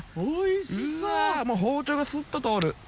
うわもう包丁がスッと通る。